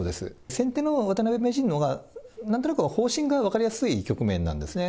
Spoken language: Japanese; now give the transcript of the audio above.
先手の渡辺名人のほうが、なんとなく方針が分かりやすい局面なんですね。